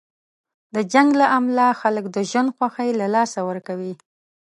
د جنګ له امله خلک د ژوند خوښۍ له لاسه ورکوي.